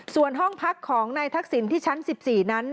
ส่วนห้องพักของนายทักษิณที่ชั้น๑๔นั้น